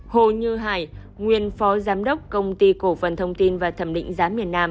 hồ như hải nguyên phó giám đốc công ty cổ phần thông tin và thẩm định giám miền nam